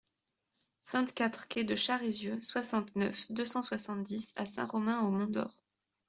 vingt-quatre quai de Charézieux, soixante-neuf, deux cent soixante-dix à Saint-Romain-au-Mont-d'Or